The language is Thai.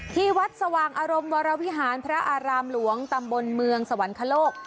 ที่วัดสว่างอารมณ์วรวิหารพระอารามหลวงตำบลเมืองสวรรคโลก